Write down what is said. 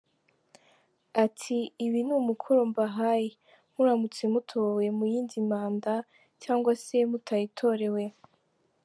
Ati “Ibi ni umukoro mbahaye, muramutse mutowe mu yindi manda cyangwa se mutayitorewe.